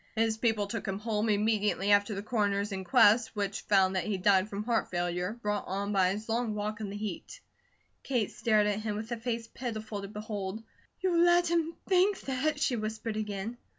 "His people took him home immediately after the Coroner's inquest, which found that he died from heart failure, brought on by his long walk in the heat." Kate stared at him with a face pitiful to behold. "You let him think THAT?" she whispered again.